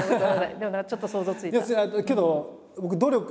でもなちょっと想像ついた。